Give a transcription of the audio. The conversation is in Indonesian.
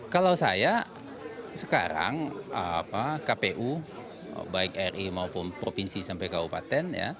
kalau saya sekarang kpu baik ri maupun provinsi sampai kabupaten